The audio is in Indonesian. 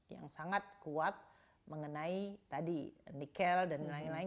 yang sangat kuat mengenai tadi nikel dan lain lain